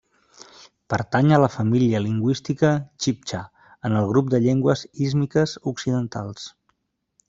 Pertany a la família lingüística txibtxa, en el grup de llengües ístmiques occidentals.